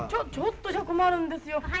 ちょっとじゃ困るんですよ。